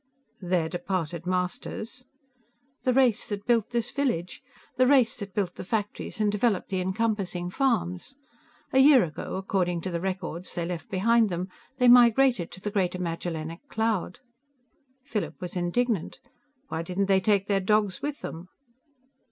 "Their departed masters?" "The race that built this village. The race that built the factories and developed the encompassing farms. A year ago, according to the records they left behind them, they migrated to the Greater Magellanic Cloud." Philip was indignant. "Why didn't they take their dogs with them?"